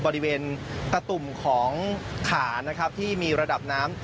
บริเวณตะตุ่มของขานะครับที่มีระดับน้ำ